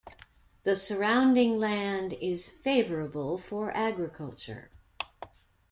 The surrounding land is favorable for agriculture.